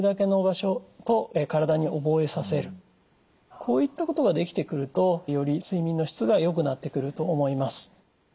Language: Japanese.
こういったことができてくるとより睡眠の質がよくなってくると思います。